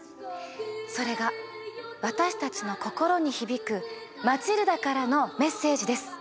それが私たちの心に響く『マチルダ』からのメッセージです。